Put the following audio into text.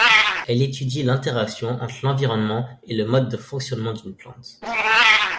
Elle étudie l'interaction entre l'environnement et le mode de fonctionnement d'une plante.